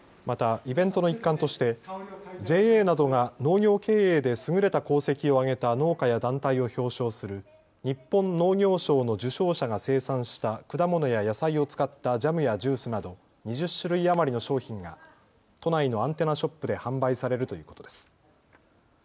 またイベントの一環としてＪＡなどが農業経営で優れた功績を挙げた農家や団体を表彰する日本農業賞の受賞者が生産した果物や野菜を使ったジャムやジュースなど２０種類余りの商品が都内のアンテナショップで販売されるということです。